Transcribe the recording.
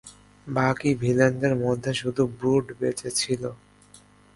বাকি ভিলেনদের মধ্যে শুধু ব্রুট বেঁচে ছিল.